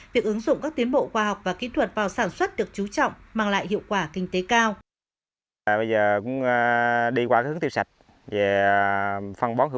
việc ứng dụng các tiến bộ khoa học và kỹ thuật vào sản xuất được trú trọng mang lại hiệu quả kinh tế cao